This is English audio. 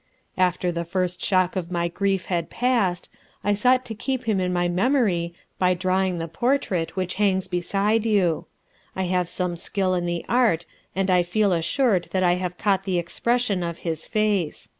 After the first shock of my grief had passed, I sought to keep him in my memory by drawing the portrait which hangs beside you. I have some skill in the art, and I feel assured that I have caught the expression of his face.